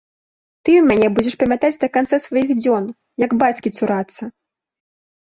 Ты ў мяне будзеш памятаць да канца сваіх дзён, як бацькі цурацца!